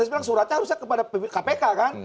dia bilang suratnya harusnya kepada kpk kan